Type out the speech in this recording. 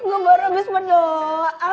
gua baru habis berdoa